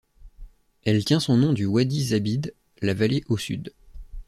Elle tient son nom du Wadi Zabid, la vallée au sud.